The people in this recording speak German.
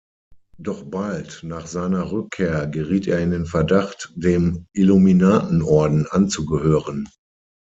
Doch bald nach seiner Rückkehr geriet er in den Verdacht, dem Illuminatenorden anzugehören.